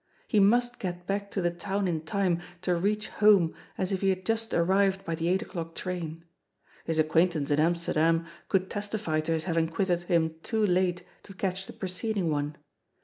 He must get back to the town in time to reach home as if he had just arrived by the eight o'clock train. His acquaintance in Amster dam could testify to his having quitted him too late to catch the preceding one.